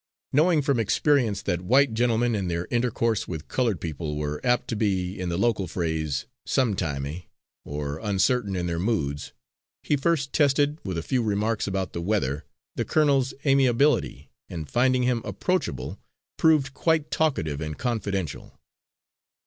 Knowing from experience that white gentlemen, in their intercourse with coloured people, were apt to be, in the local phrase; "sometimey," or uncertain in their moods, he first tested, with a few remarks about the weather, the colonel's amiability, and finding him approachable, proved quite talkative and confidential.